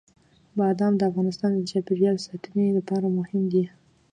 بادام د افغانستان د چاپیریال ساتنې لپاره مهم دي.